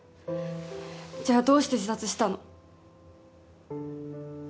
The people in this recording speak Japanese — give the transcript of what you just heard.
じゃあどうして自殺したの。